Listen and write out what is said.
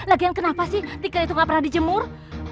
lagian kenapa sih tikar itu ga pernah dijemur